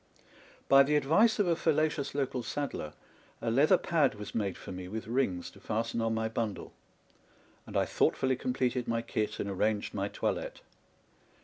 By the advice of a fallacious local sad dler, a leather pad was made for me with rings to fasten on my bundle ; and I thoughtfully completed my kit and ar ranged my toilette.